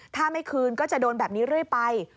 ถ้าไม่คืนก็จะโดนแบบนี้เรื่อยไป